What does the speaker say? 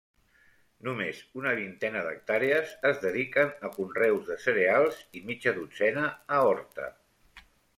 Només una vintena d'hectàrees es dediquen a conreus de cereals i mitja dotzena a horta.